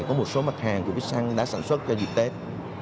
có một số mặt hàng của buýt săn đã sản xuất cho dịp tết